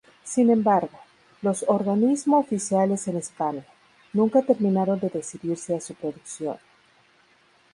Sin embargo, los organismo oficiales en España, nunca terminaron de decidirse a su producción.